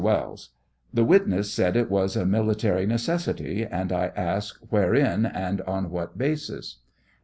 Wells : The witness said it was a military necessity, and I ask wherein and on what basis